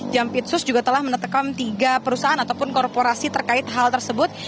jampitsus juga telah menetapkan tiga perusahaan ataupun korporasi terkait hal tersebut